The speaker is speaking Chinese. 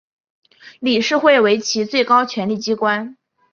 理事会为其最高权力机关。